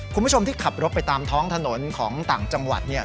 คุณผู้ชมที่ขับรถไปตามท้องถนนของต่างจังหวัดเนี่ย